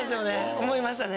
思いましたね。